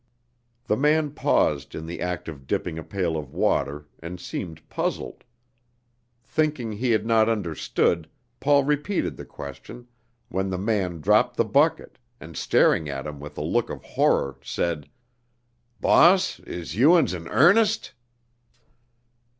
The man paused in the act of dipping a pail of water, and seemed puzzled. Thinking he had not understood, Paul repeated the question, when the man dropped the bucket, and staring at him with a look of horror, said: "Boss, is you uns in airnest?"